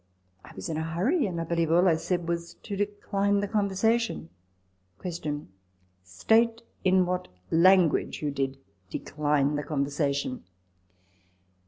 I was in a hurry, and I believe all I said was to decline the conversation. Q. State in what language you did decline that conversation.